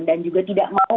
dan juga tidak mempersiapkan